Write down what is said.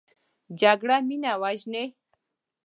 جګړه مینه وژني